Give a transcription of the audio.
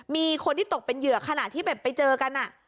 มีคนที่ตกเป็นเหยื่อขณะที่แบบไปเจอกัน